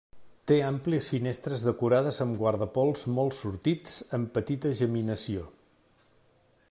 Té àmplies finestres decorades amb guardapols molts sortits amb petita geminació.